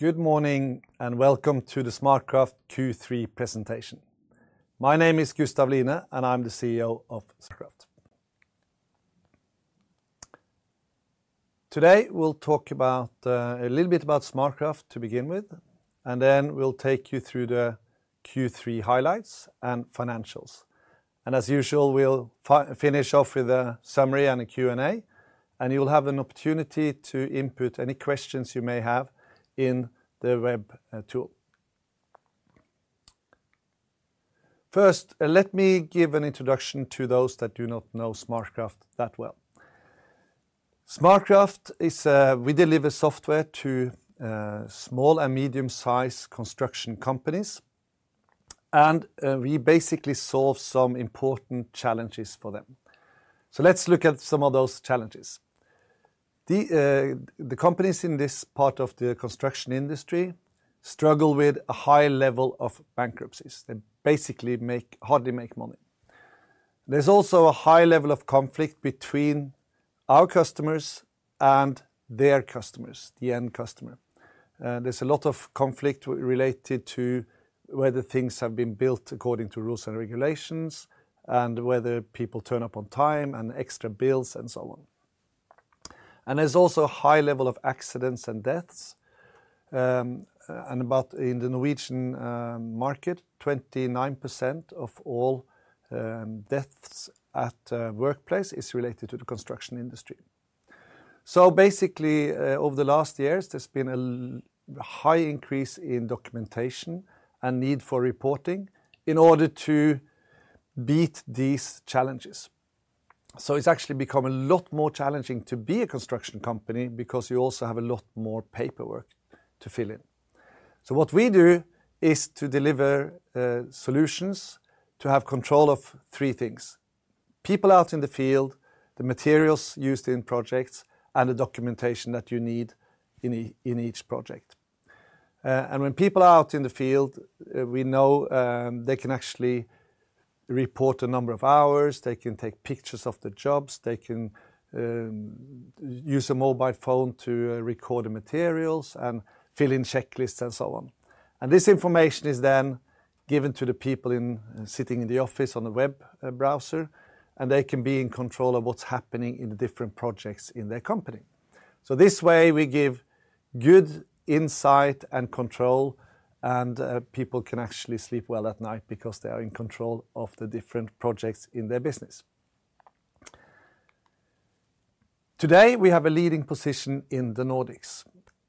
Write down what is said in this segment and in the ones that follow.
Good morning and welcome to the SmartCraft Q3 presentation. My name is Gustav Line, and I'm the CEO of SmartCraft. Today we'll talk a little bit about SmartCraft to begin with, and then we'll take you through the Q3 highlights and financials, and as usual, we'll finish off with a summary and a Q&A, and you'll have an opportunity to input any questions you may have in the web tool. First, let me give an introduction to those that do not know SmartCraft that well. SmartCraft is a software we deliver to small and medium-sized construction companies, and we basically solve some important challenges for them, so let's look at some of those challenges. The companies in this part of the construction industry struggle with a high level of bankruptcies. They basically hardly make money. There's also a high level of conflict between our customers and their customers, the end customer. There's a lot of conflict related to whether things have been built according to rules and regulations, and whether people turn up on time and extra bills, and so on. And there's also a high level of accidents and deaths. And in the Norwegian market, 29% of all deaths at the workplace is related to the construction industry. So basically, over the last years, there's been a high increase in documentation and need for reporting in order to beat these challenges. So it's actually become a lot more challenging to be a construction company because you also have a lot more paperwork to fill in. What we do is to deliver solutions to have control of three things: people out in the field, the materials used in projects, and the documentation that you need in each project. And when people are out in the field, we know they can actually report a number of hours, they can take pictures of the jobs, they can use a mobile phone to record the materials, and fill in checklists, and so on. And this information is then given to the people sitting in the office on the web browser, and they can be in control of what's happening in the different projects in their company. So this way, we give good insight and control, and people can actually sleep well at night because they are in control of the different projects in their business. Today, we have a leading position in the Nordics,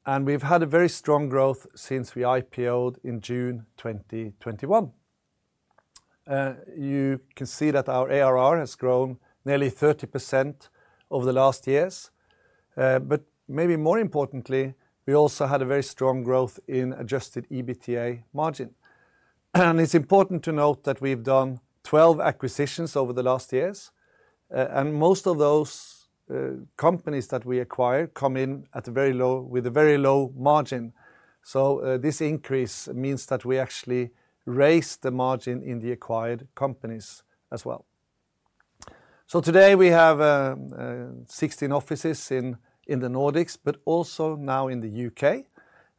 and we've had a very strong growth since we IPO'd in June 2021. You can see that our ARR has grown nearly 30% over the last years. But maybe more importantly, we also had a very strong growth in adjusted EBITDA margin. And it's important to note that we've done 12 acquisitions over the last years, and most of those companies that we acquire come in with a very low margin. So this increase means that we actually raised the margin in the acquired companies as well. So today, we have 16 offices in the Nordics, but also now in the U.K.,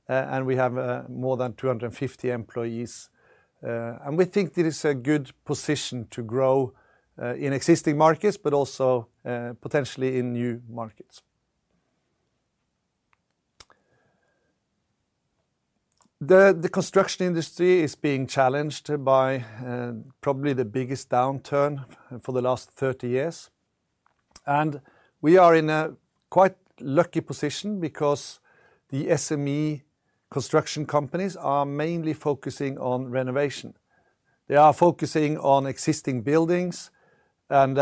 and we have more than 250 employees. And we think this is a good position to grow in existing markets, but also potentially in new markets. The construction industry is being challenged by probably the biggest downturn for the last 30 years, and we are in a quite lucky position because the SME construction companies are mainly focusing on renovation. They are focusing on existing buildings and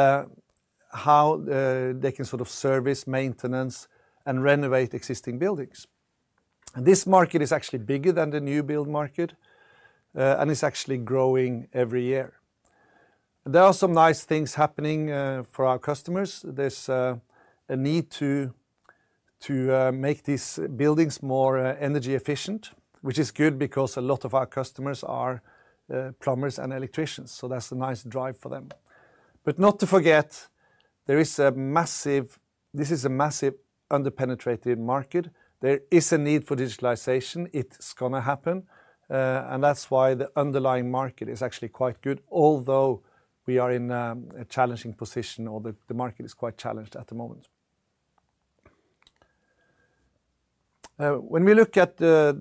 how they can sort of service, maintenance, and renovate existing buildings. This market is actually bigger than the new build market, and it's actually growing every year. There are some nice things happening for our customers. There's a need to make these buildings more energy efficient, which is good because a lot of our customers are plumbers and electricians, so that's a nice drive for them, but not to forget, this is a massive underpenetrated market. There is a need for digitalization. It's going to happen, and that's why the underlying market is actually quite good, although we are in a challenging position, or the market is quite challenged at the moment. When we look at the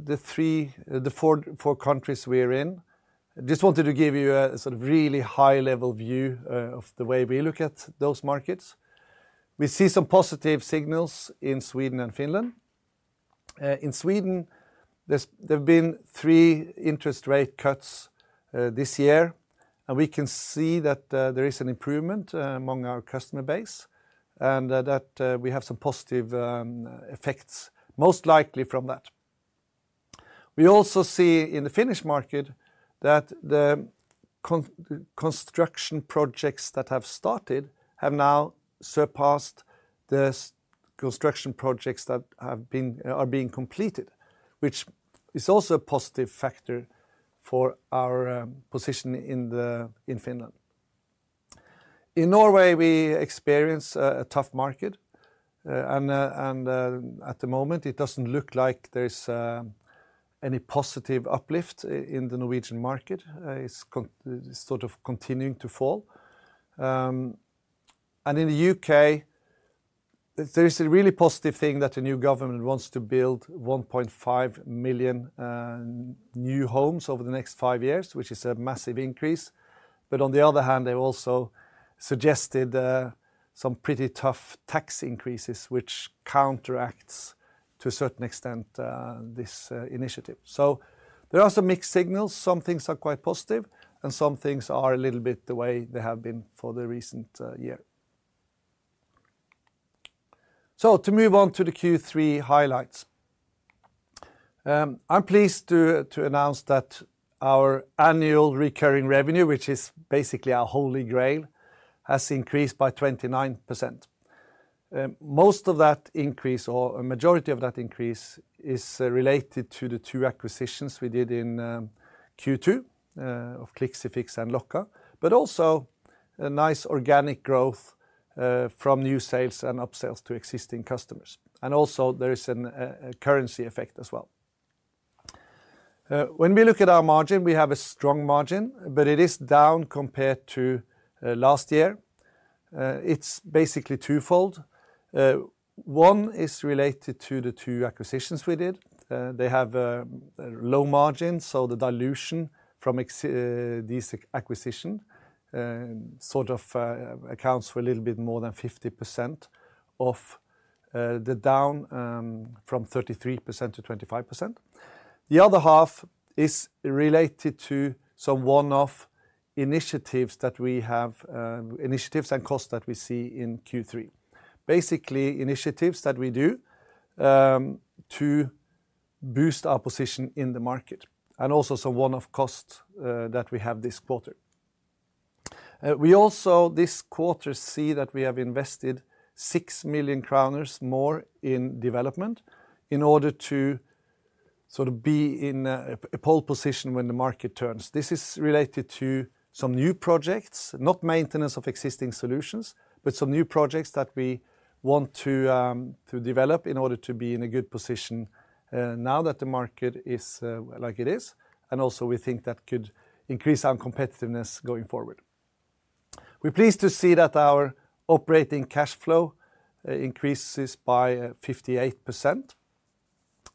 four countries we're in, I just wanted to give you a sort of really high-level view of the way we look at those markets. We see some positive signals in Sweden and Finland. In Sweden, there have been three interest rate cuts this year, and we can see that there is an improvement among our customer base and that we have some positive effects, most likely from that. We also see in the Finnish market that the construction projects that have started have now surpassed the construction projects that are being completed, which is also a positive factor for our position in Finland. In Norway, we experience a tough market, and at the moment, it doesn't look like there's any positive uplift in the Norwegian market. It's sort of continuing to fall. And in the U.K., there is a really positive thing that the new government wants to build 1.5 million new homes over the next five years, which is a massive increase. But on the other hand, they also suggested some pretty tough tax increases, which counteracts to a certain extent this initiative. So there are some mixed signals. Some things are quite positive, and some things are a little bit the way they have been for the recent year. So to move on to the Q3 highlights, I'm pleased to announce that our annual recurring revenue, which is basically our holy grail, has increased by 29%. Most of that increase, or a majority of that increase, is related to the two acquisitions we did in Q2 of Clixifix and Locka, but also a nice organic growth from new sales and upsells to existing customers. And also, there is a currency effect as well. When we look at our margin, we have a strong margin, but it is down compared to last year. It's basically twofold. One is related to the two acquisitions we did. They have low margins, so the dilution from these acquisitions sort of accounts for a little bit more than 50% of the down from 33% to 25%. The other half is related to some one-off initiatives that we have, initiatives and costs that we see in Q3. Basically, initiatives that we do to boost our position in the market and also some one-off costs that we have this quarter. We also, this quarter, see that we have invested 6 million more in development in order to sort of be in a pole position when the market turns. This is related to some new projects, not maintenance of existing solutions, but some new projects that we want to develop in order to be in a good position now that the market is like it is. And also, we think that could increase our competitiveness going forward. We're pleased to see that our operating cash flow increases by 58%,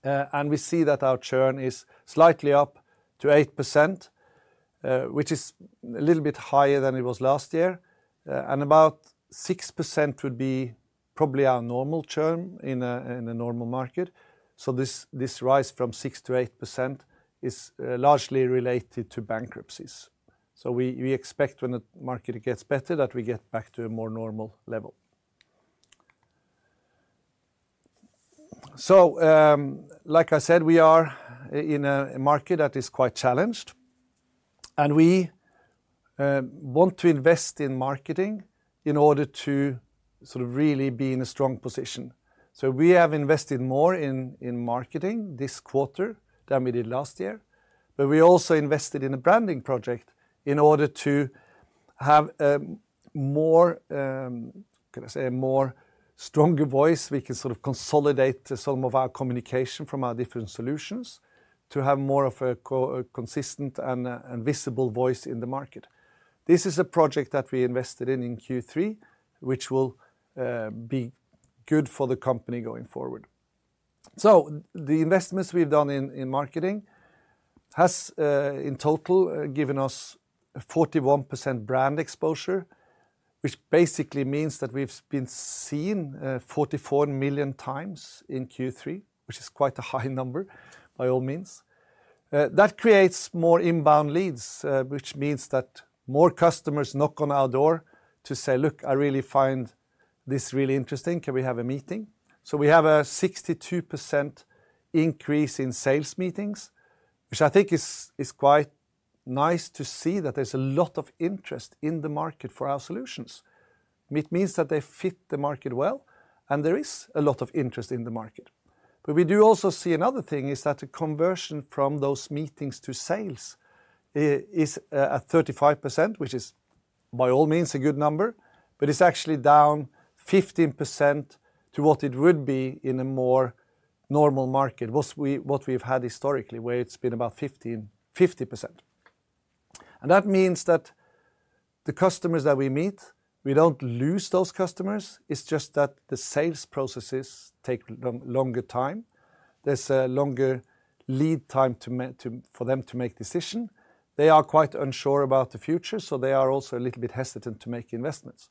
and we see that our churn is slightly up to 8%, which is a little bit higher than it was last year. And about 6% would be probably our normal churn in a normal market. So this rise from 6% to 8% is largely related to bankruptcies. We expect when the market gets better that we get back to a more normal level. Like I said, we are in a market that is quite challenged, and we want to invest in marketing in order to sort of really be in a strong position. We have invested more in marketing this quarter than we did last year, but we also invested in a branding project in order to have a more stronger voice. We can sort of consolidate some of our communication from our different solutions to have more of a consistent and visible voice in the market. This is a project that we invested in in Q3, which will be good for the company going forward. The investments we've done in marketing has, in total, given us 41% brand exposure, which basically means that we've been seen 44 million times in Q3, which is quite a high number by all means. That creates more inbound leads, which means that more customers knock on our door to say, "Look, I really find this really interesting. Can we have a meeting?" We have a 62% increase in sales meetings, which I think is quite nice to see that there's a lot of interest in the market for our solutions. It means that they fit the market well, and there is a lot of interest in the market. But we do also see another thing is that the conversion from those meetings to sales is at 35%, which is by all means a good number, but it's actually down 15% to what it would be in a more normal market, what we've had historically, where it's been about 50%. And that means that the customers that we meet, we don't lose those customers. It's just that the sales processes take longer time. There's a longer lead time for them to make decisions. They are quite unsure about the future, so they are also a little bit hesitant to make investments,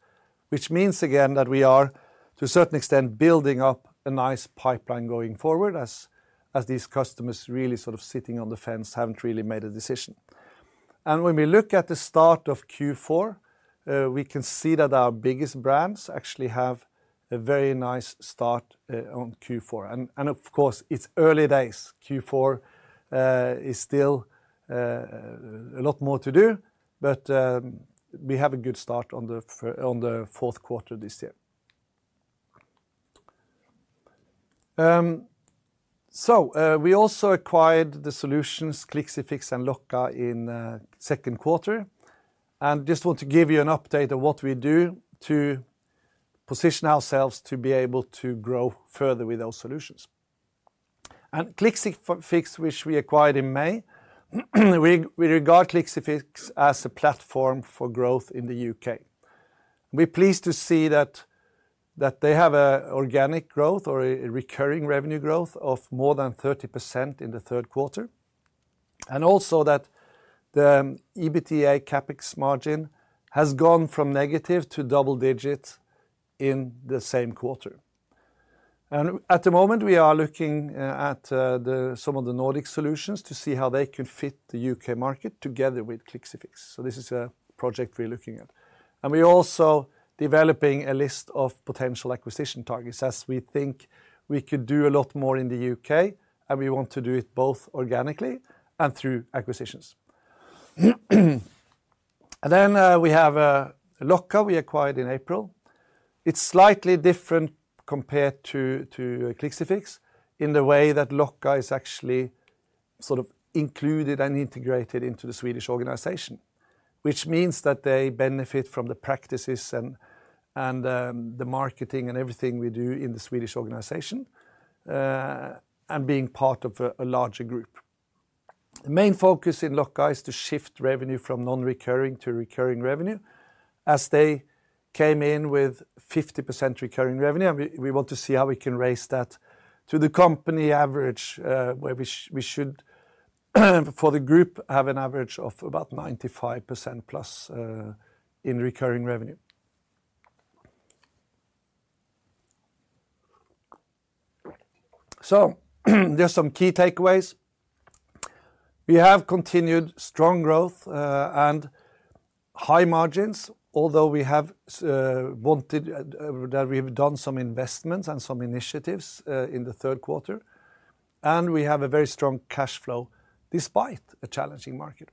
which means, again, that we are, to a certain extent, building up a nice pipeline going forward as these customers really sort of sitting on the fence haven't really made a decision. And when we look at the start of Q4, we can see that our biggest brands actually have a very nice start on Q4. And of course, it's early days. Q4 is still a lot more to do, but we have a good start on the fourth quarter this year. So we also acquired the solutions Clixifix and Locka in second quarter. And I just want to give you an update of what we do to position ourselves to be able to grow further with those solutions. And Clixifix, which we acquired in May, we regard Clixifix as a platform for growth in the U.K.. We're pleased to see that they have an organic growth or a recurring revenue growth of more than 30% in the third quarter, and also that the EBITDA-CapEx margin has gone from negative to double digits in the same quarter. At the moment, we are looking at some of the Nordic solutions to see how they can fit the U.K. market together with Clixifix. So this is a project we're looking at. We are also developing a list of potential acquisition targets as we think we could do a lot more in the U.K., and we want to do it both organically and through acquisitions. Then we have Locka. We acquired it in April. It is slightly different compared to Clixifix in the way that Locka is actually sort of included and integrated into the Swedish organization, which means that they benefit from the practices and the marketing and everything we do in the Swedish organization and being part of a larger group. The main focus in Locka is to shift revenue from non-recurring to recurring revenue as they came in with 50% recurring revenue. We want to see how we can raise that to the company average, where we should, for the group, have an average of about 95% plus in recurring revenue. There are some key takeaways. We have continued strong growth and high margins, although we have wanted that we have done some investments and some initiatives in the third quarter. We have a very strong cash flow despite a challenging market.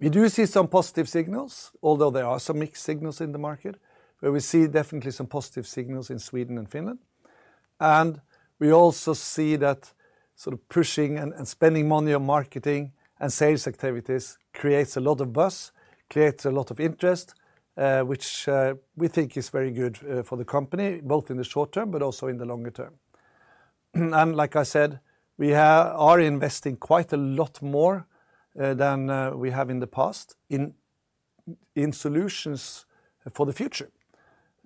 We do see some positive signals, although there are some mixed signals in the market, where we see definitely some positive signals in Sweden and Finland. We also see that sort of pushing and spending money on marketing and sales activities creates a lot of buzz, creates a lot of interest, which we think is very good for the company, both in the short term but also in the longer term. And like I said, we are investing quite a lot more than we have in the past in solutions for the future.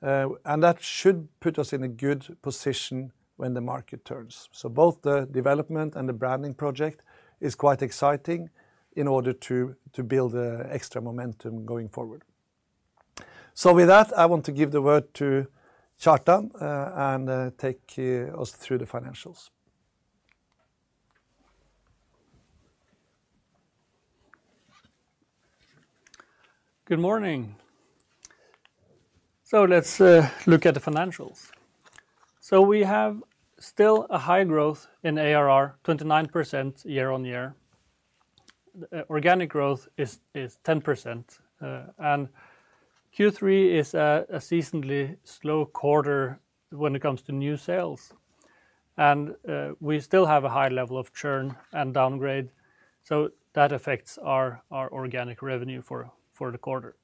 And that should put us in a good position when the market turns. So both the development and the branding project is quite exciting in order to build extra momentum going forward. So with that, I want to give the word to Kjartan and take us through the financials. Good morning. So let's look at the financials. So we have still a high growth in ARR, 29% year on year. Organic growth is 10%. And Q3 is a seasonally slow quarter when it comes to new sales. And we still have a high level of churn and downgrade, so that affects our organic revenue for the quarter.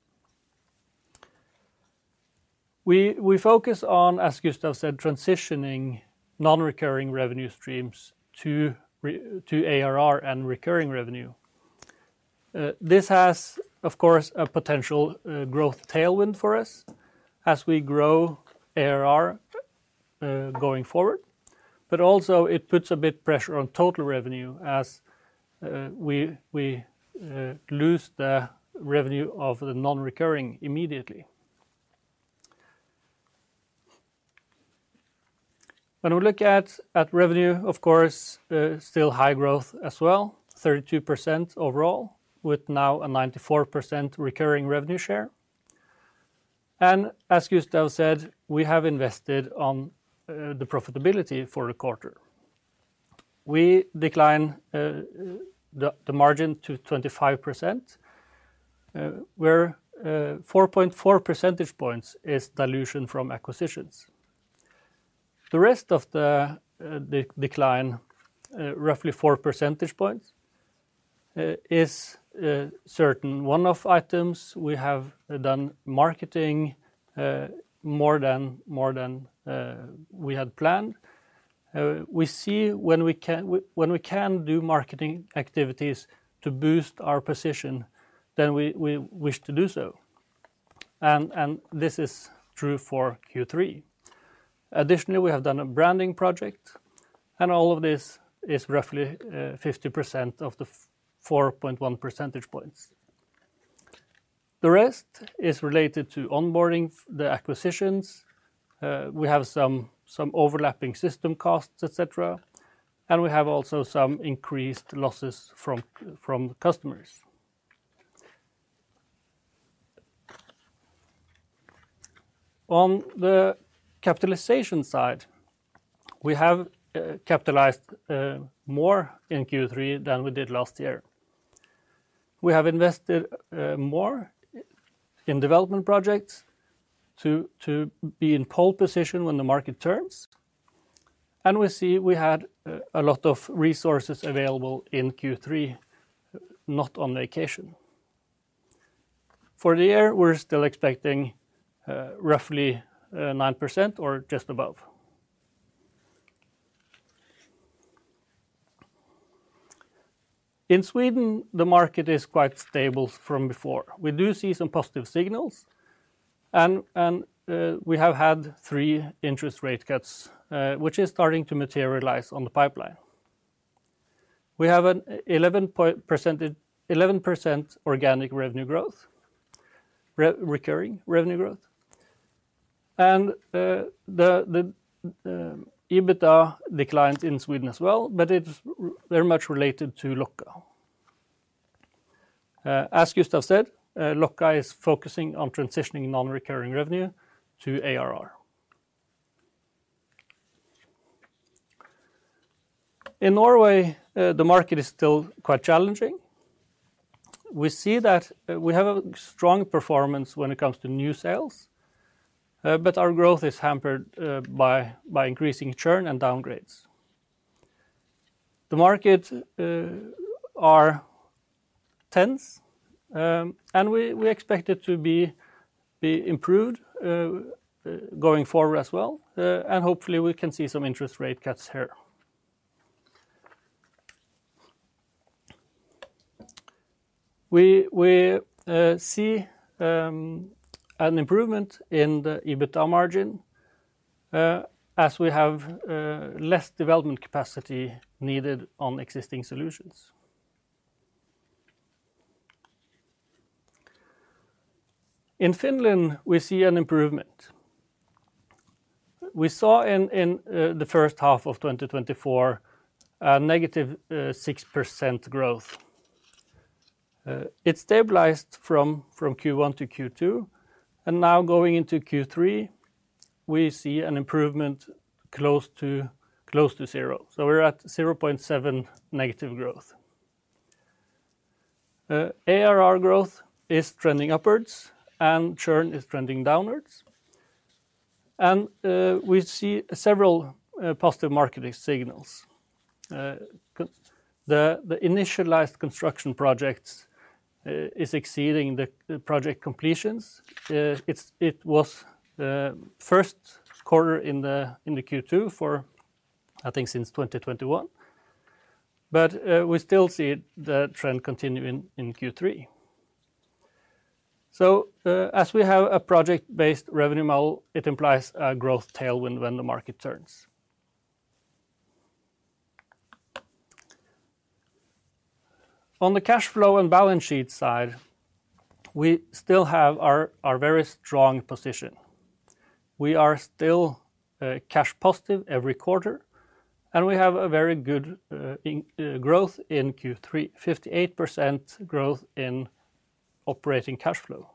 We focus on, as Gustav said, transitioning non-recurring revenue streams to ARR and recurring revenue. This has, of course, a potential growth tailwind for us as we grow ARR going forward, but also it puts a bit of pressure on total revenue as we lose the revenue of the non-recurring immediately. When we look at revenue, of course, still high growth as well, 32% overall, with now a 94% recurring revenue share. As Gustav said, we have invested in the profitability for the quarter. We decline the margin to 25%, where 4.4 percentage points is dilution from acquisitions. The rest of the decline, roughly four percentage points, is certain. One of the items we have done marketing more than we had planned. We see when we can do marketing activities to boost our position, then we wish to do so. This is true for Q3. Additionally, we have done a branding project, and all of this is roughly 50% of the 4.1 percentage points. The rest is related to onboarding, the acquisitions, some overlapping system costs, etc., and we have also some increased losses from customers. On the capitalization side, we have capitalized more in Q3 than we did last year. We have invested more in development projects to be in pole position when the market turns, and we see we had a lot of resources available in Q3, not on vacation. For the year, we're still expecting roughly 9% or just above. In Sweden, the market is quite stable from before. We do see some positive signals, and we have had three interest rate cuts, which is starting to materialize on the pipeline. We have an 11% organic revenue growth, recurring revenue growth. The EBITDA declined in Sweden as well, but that's much related to Locka. As Gustav said, Locka is focusing on transitioning non-recurring revenue to ARR. In Norway, the market is still quite challenging. We see that we have a strong performance when it comes to new sales, but our growth is hampered by increasing churn and downgrades. The markets are tense, and we expect it to be improved going forward as well, and hopefully we can see some interest rate cuts here. We see an improvement in the EBITDA margin as we have less development capacity needed on existing solutions. In Finland, we see an improvement. We saw in the first half of 2024 a negative 6% growth. It stabilized from Q1 to Q2, and now going into Q3, we see an improvement close to zero, so we're at 0.7% negative growth. ARR growth is trending upwards, and churn is trending downwards, and we see several positive market signals. The initiated construction projects is exceeding the project completions. It was first quarter in Q2 for, I think, since 2021, but we still see the trend continuing in Q3, so as we have a project-based revenue model, it implies a growth tailwind when the market turns. On the cash flow and balance sheet side, we still have our very strong position. We are still cash positive every quarter, and we have a very good growth in Q3, 58% growth in operating cash flow.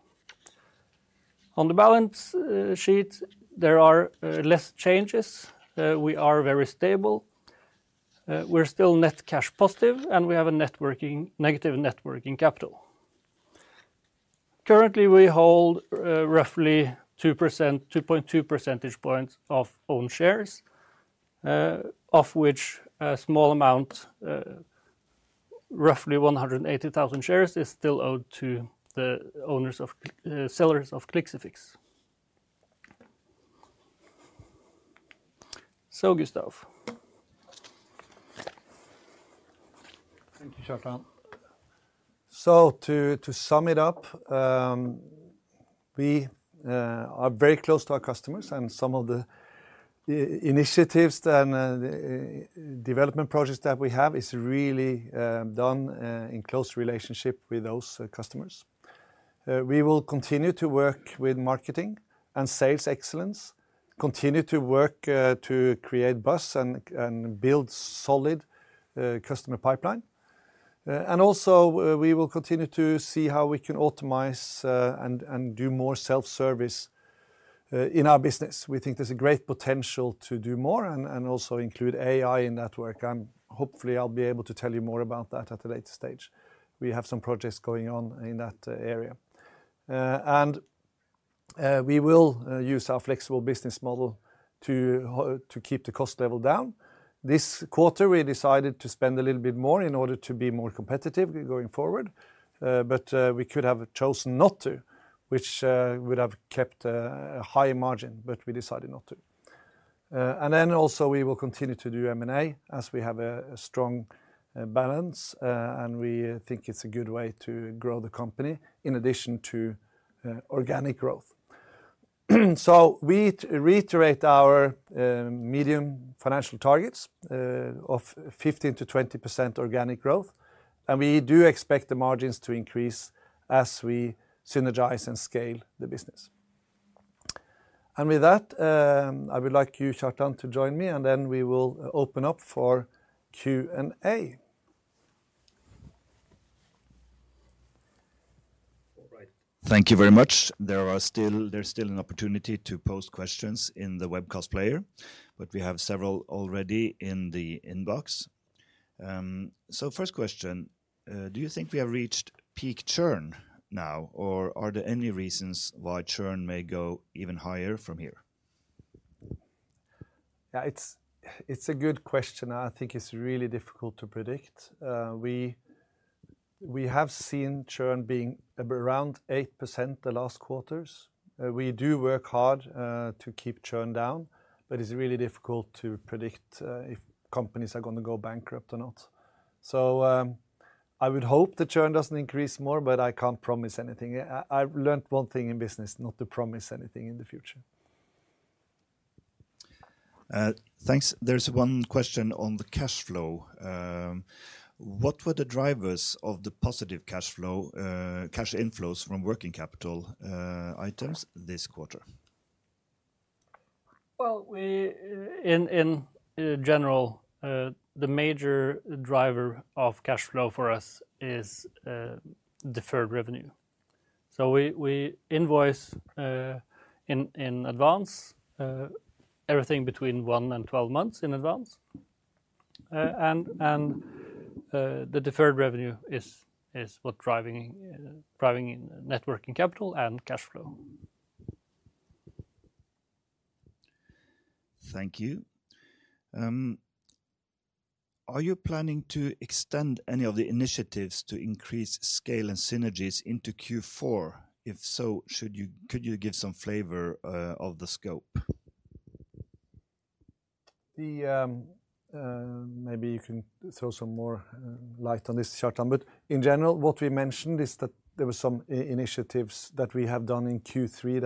On the balance sheet, there are less changes. We are very stable. We're still net cash positive, and we have a negative net working capital. Currently, we hold roughly 2.2 percentage points of own shares, of which a small amount, roughly 180,000 shares, is still owed to the sellers of Clixifix. So, Gustav. Thank you Kjartan. So to sum it up, we are very close to our customers, and some of the initiatives and development projects that we have are really done in close relationship with those customers. We will continue to work with marketing and sales excellence, continue to work to create buzz and build a solid customer pipeline. And also, we will continue to see how we can optimize and do more self-service in our business. We think there's a great potential to do more and also include AI in that work. And hopefully, I'll be able to tell you more about that at a later stage. We have some projects going on in that area. And we will use our flexible business model to keep the cost level down. This quarter, we decided to spend a little bit more in order to be more competitive going forward, but we could have chosen not to, which would have kept a high margin, but we decided not to. And then also, we will continue to do M&A as we have a strong balance, and we think it's a good way to grow the company in addition to organic growth. So we reiterate our medium financial targets of 15%-20% organic growth, and we do expect the margins to increase as we synergize and scale the business. And with that, I would like you, Kjartan, to join me, and then we will open up for Q&A. Thank you very much. There's still an opportunity to post questions in the webcast player, but we have several already in the inbox. First question, do you think we have reached peak churn now, or are there any reasons why churn may go even higher from here? Yeah, it's a good question. I think it's really difficult to predict. We have seen churn being around 8% the last quarters. We do work hard to keep churn down, but it's really difficult to predict if companies are going to go bankrupt or not. So I would hope the churn doesn't increase more, but I can't promise anything. I've learned one thing in business: not to promise anything in the future. Thanks. There's one question on the cash flow. What were the drivers of the positive cash flow, cash inflows from working capital items this quarter? Well, in general, the major driver of cash flow for us is deferred revenue. So we invoice in advance everything between one and 12 months in advance. And the deferred revenue is what's driving net working capital and cash flow. Thank you. Are you planning to extend any of the initiatives to increase scale and synergies into Q4? If so, could you give some flavor of the scope? Maybe you can throw some more light on this, Kjartan. But in general, what we mentioned is that there were some initiatives that we have done in Q3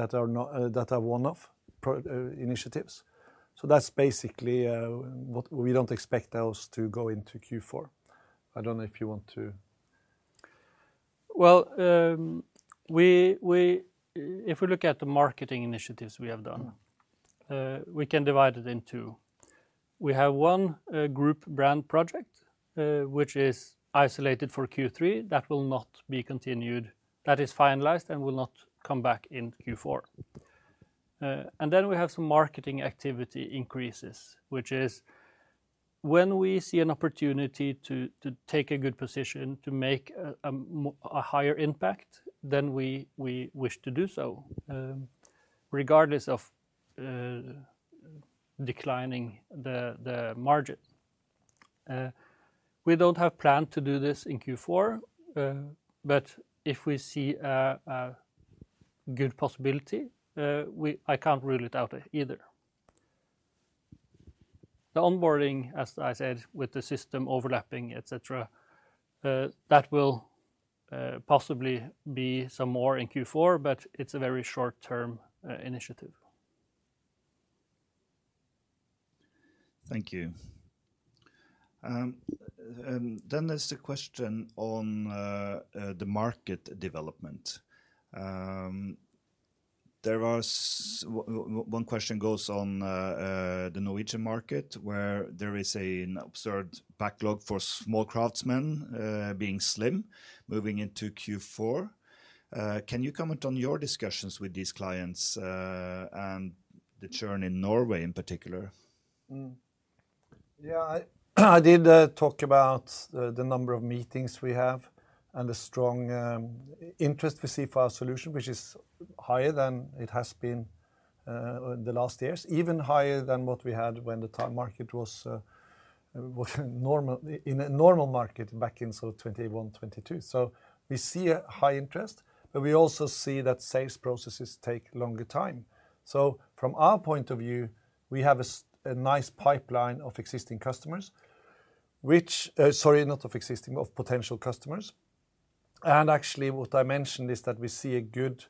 that are one-off initiatives. So that's basically what we don't expect those to go into Q4. I don't know if you want to. Well, if we look at the marketing initiatives we have done, we can divide it in two. We have one group brand project, which is isolated for Q3, that will not be continued, that is finalized and will not come back in Q4. And then we have some marketing activity increases, which is when we see an opportunity to take a good position to make a higher impact, then we wish to do so, regardless of declining the margin. We don't have planned to do this in Q4, but if we see a good possibility, I can't rule it out either. The onboarding, as I said, with the system overlapping, etc., that will possibly be some more in Q4, but it's a very short-term initiative. Thank you. Then there's the question on the market development. One question goes on the Norwegian market, where there is an observed backlog for small craftsmen being slim moving into Q4. Can you comment on your discussions with these clients and the churn in Norway in particular? Yeah, I did talk about the number of meetings we have and the strong interest we see for our solution, which is higher than it has been in the last years, even higher than what we had when the target market was in a normal market back in 2021, 2022. So we see a high interest, but we also see that sales processes take longer time. So from our point of view, we have a nice pipeline of existing customers, which, sorry, not of existing, of potential customers. And actually, what I mentioned is that we see a good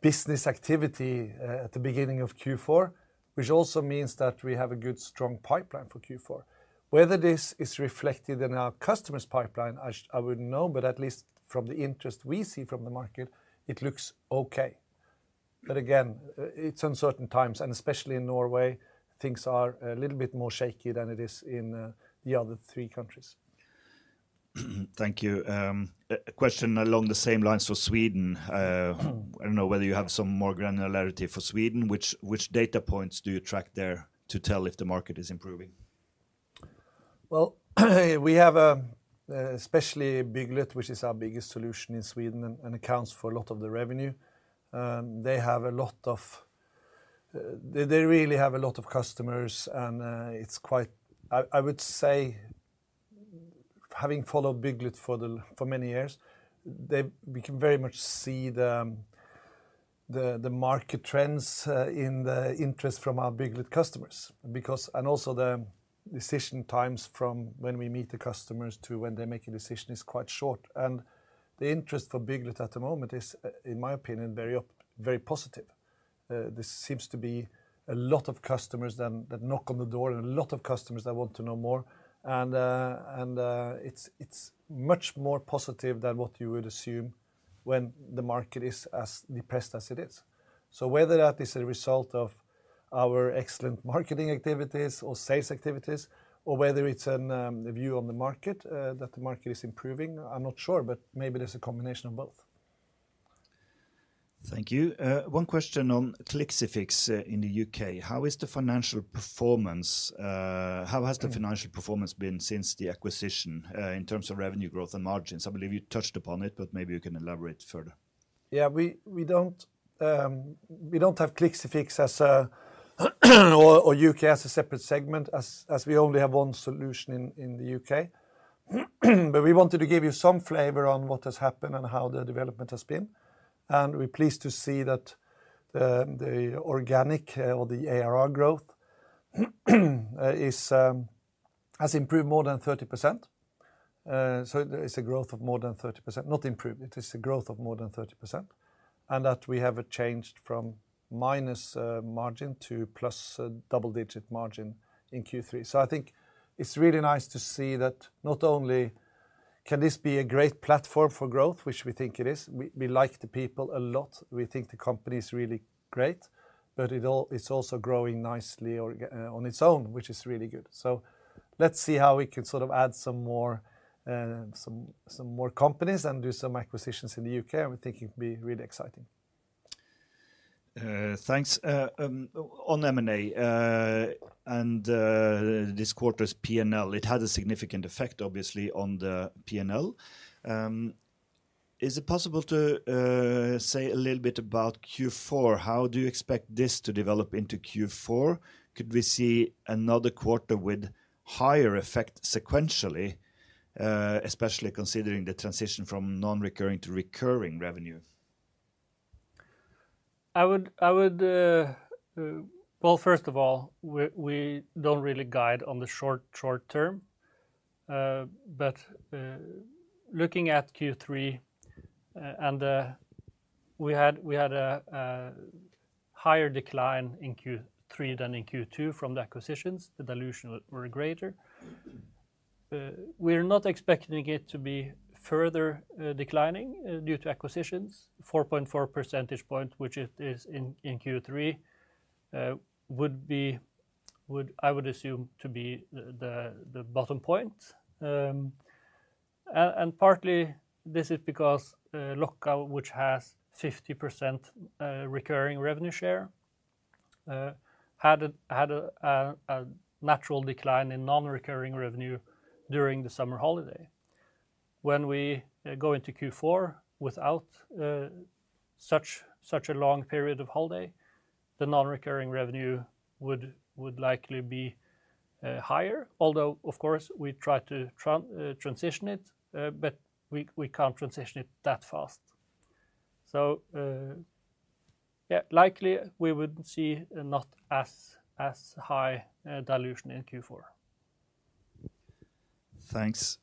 business activity at the beginning of Q4, which also means that we have a good strong pipeline for Q4. Whether this is reflected in our customers' pipeline, I wouldn't know, but at least from the interest we see from the market, it looks okay. But again, it's uncertain times, and especially in Norway, things are a little bit more shaky than it is in the other three countries. Thank you. A question along the same lines for Sweden. I don't know whether you have some more granularity for Sweden. Which data points do you track there to tell if the market is improving? We have especially Bygglet, which is our biggest solution in Sweden and accounts for a lot of the revenue. They really have a lot of customers, and it's quite, I would say, having followed Bygglet for many years, we can very much see the market trends in the interest from our Bygglet customers. Also, the decision times from when we meet the customers to when they make a decision is quite short. The interest for Bygglet at the moment is, in my opinion, very positive. This seems to be a lot of customers that knock on the door and a lot of customers that want to know more. And it's much more positive than what you would assume when the market is as depressed as it is. So whether that is a result of our excellent marketing activities or sales activities, or whether it's a view on the market that the market is improving, I'm not sure, but maybe there's a combination of both. Thank you. One question on Clixifix in the U.K.. How is the financial performance? How has the financial performance been since the acquisition in terms of revenue growth and margins? I believe you touched upon it, but maybe you can elaborate further. Yeah, we don't have Clixifix or U.K. as a separate segment, as we only have one solution in the U.K.. But we wanted to give you some flavor on what has happened and how the development has been. And we're pleased to see that the organic or the ARR growth has improved more than 30%. So it's a growth of more than 30%. Not improved, it is a growth of more than 30%. And that we have changed from minus margin to plus double-digit margin in Q3. So I think it's really nice to see that not only can this be a great platform for growth, which we think it is, we like the people a lot, we think the company is really great, but it's also growing nicely on its own, which is really good. So let's see how we can sort of add some more companies and do some acquisitions in the UK. I think it would be really exciting. Thanks. On M&A and this quarter's P&L, it had a significant effect, obviously, on the P&L. Is it possible to say a little bit about Q4? How do you expect this to develop into Q4? Could we see another quarter with higher effect sequentially, especially considering the transition from non-recurring to recurring revenue? Well, first of all, we don't really guide on the short term. But looking at Q3, and we had a higher decline in Q3 than in Q2 from the acquisitions, the dilutions were greater. We're not expecting it to be further declining due to acquisitions. 4.4 percentage points, which it is in Q3, would be, I would assume, to be the bottom point. Partly, this is because Locka, which has 50% recurring revenue share, had a natural decline in non-recurring revenue during the summer holiday. When we go into Q4 without such a long period of holiday, the non-recurring revenue would likely be higher. Although, of course, we try to transition it, but we can't transition it that fast. Yeah, likely we would see not as high dilution in Q4. Thanks.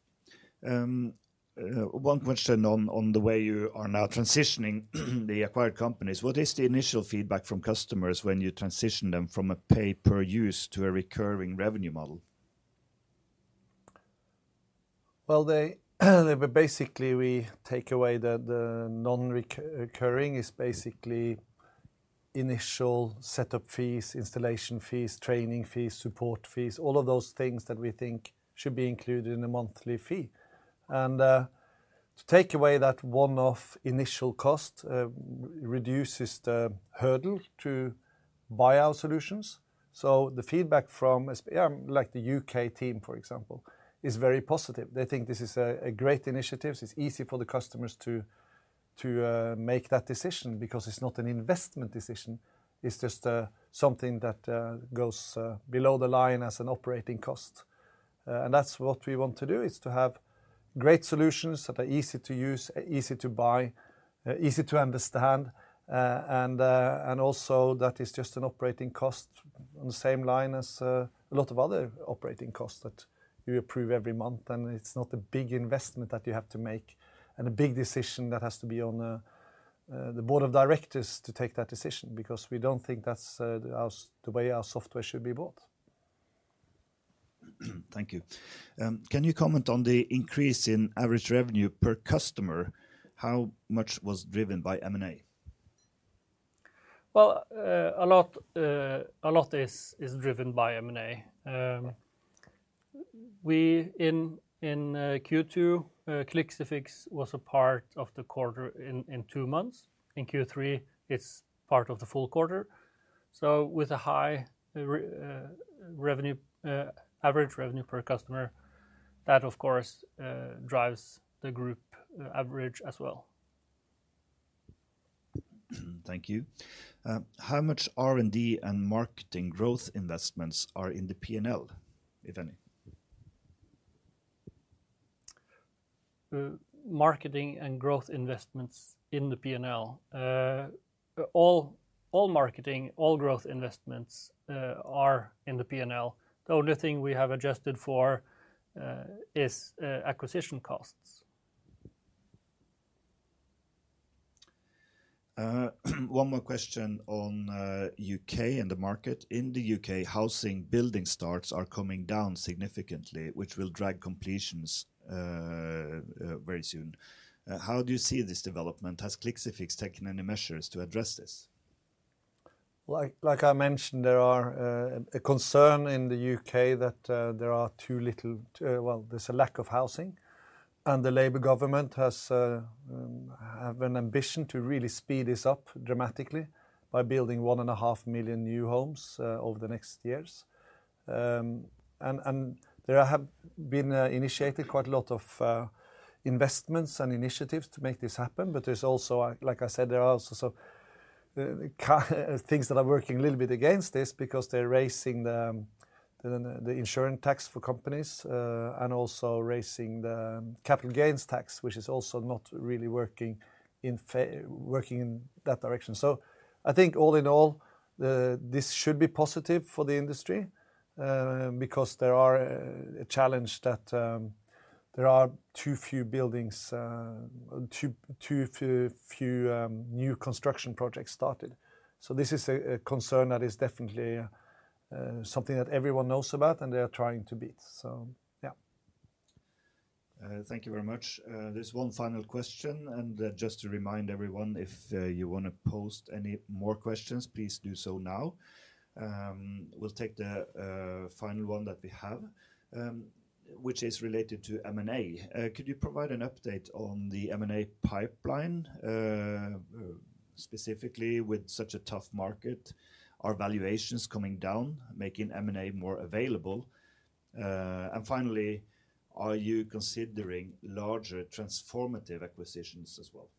One question on the way you are now transitioning the acquired companies. What is the initial feedback from customers when you transition them from a pay-per-use to a recurring revenue model? Basically, we take away the non-recurring, is basically initial setup fees, installation fees, training fees, support fees, all of those things that we think should be included in the monthly fee. To take away that one-off initial cost reduces the hurdle to buy our solutions. So the feedback from, yeah, like the U.K. team, for example, is very positive. They think this is a great initiative. It's easy for the customers to make that decision because it's not an investment decision. It's just something that goes below the line as an operating cost. And that's what we want to do, is to have great solutions that are easy to use, easy to buy, easy to understand. And also that is just an operating cost on the same line as a lot of other operating costs that you approve every month, and it's not a big investment that you have to make and a big decision that has to be on the board of directors to take that decision because we don't think that's the way our software should be bought. Thank you. Can you comment on the increase in average revenue per customer? How much was driven by M&A? Well, a lot is driven by M&A. In Q2, Clixifix was a part of the quarter in two months. In Q3, it's part of the full quarter. So with a high average revenue per customer, that, of course, drives the group average as well. Thank you. How much R&D and marketing growth investments are in the P&L, if any? Marketing and growth investments in the P&L? All marketing, all growth investments are in the P&L. The only thing we have adjusted for is acquisition costs. One more question on UK and the market. In the U.K., housing building starts are coming down significantly, which will drag completions very soon. How do you see this development? Has Clixifix taken any measures to address this? Like I mentioned, there is a concern in the U.K. that there are too little, well, there's a lack of housing. And the Labour government has an ambition to really speed this up dramatically by building one and a half million new homes over the next years. And there have been initiated quite a lot of investments and initiatives to make this happen. But there's also, like I said, there are also things that are working a little bit against this because they're raising the insurance tax for companies and also raising the capital gains tax, which is also not really working in that direction. So I think all in all, this should be positive for the industry because there is a challenge that there are too few buildings, too few new construction projects started. So this is a concern that is definitely something that everyone knows about and they are trying to beat. So yeah. Thank you very much. There's one final question. And just to remind everyone, if you want to post any more questions, please do so now. We'll take the final one that we have, which is related to M&A. Could you provide an update on the M&A pipeline, specifically with such a tough market, our valuations coming down, making M&A more available? And finally, are you considering larger transformative acquisitions as well?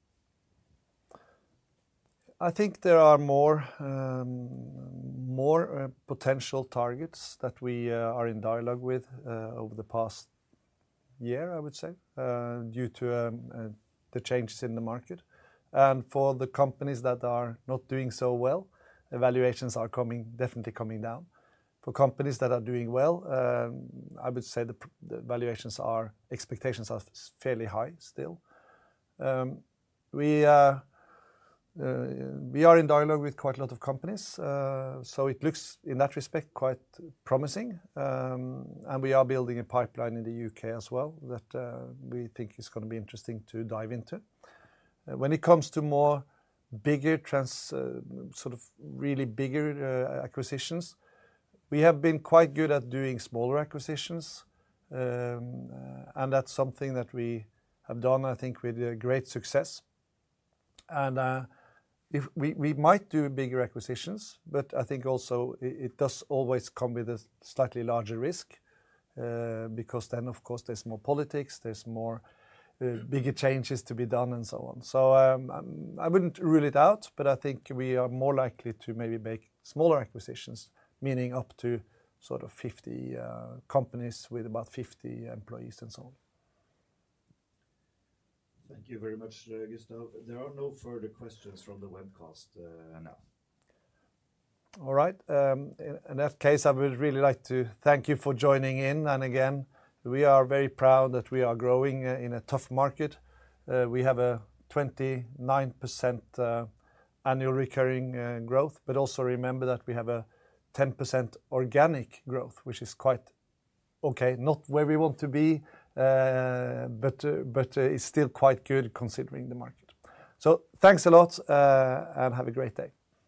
I think there are more potential targets that we are in dialogue with over the past year, I would say, due to the changes in the market. And for the companies that are not doing so well, the valuations are definitely coming down. For companies that are doing well, I would say the valuations expectations are fairly high still. We are in dialogue with quite a lot of companies. So it looks in that respect quite promising. We are building a pipeline in the U.K. as well that we think is going to be interesting to dive into. When it comes to more bigger, sort of really bigger acquisitions, we have been quite good at doing smaller acquisitions. And that's something that we have done, I think, with great success. And we might do bigger acquisitions, but I think also it does always come with a slightly larger risk because then, of course, there's more politics, there's more bigger changes to be done and so on. So I wouldn't rule it out, but I think we are more likely to maybe make smaller acquisitions, meaning up to sort of 50 companies with about 50 employees and so on. Thank you very much, Gustav. There are no further questions from the webcast now. All right. In that case, I would really like to thank you for joining in, and again, we are very proud that we are growing in a tough market. We have a 29% annual recurring growth, but also remember that we have a 10% organic growth, which is quite okay, not where we want to be, but it's still quite good considering the market, so thanks a lot and have a great day.